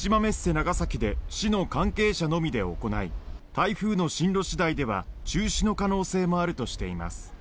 長崎で市の関係者のみで行い台風の進路次第では中止の可能性もあるとしています。